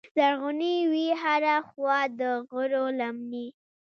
زرغونې وې هره خوا د غرو لمنې